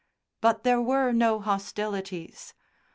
But there were no hostilities.